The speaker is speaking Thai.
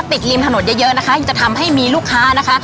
ติดริมถนนเยอะนะคะจะทำให้มีลูกค้านะคะ